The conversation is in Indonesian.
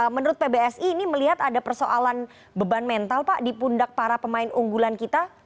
menurut pbsi ini melihat ada persoalan beban mental pak di pundak para pemain unggulan kita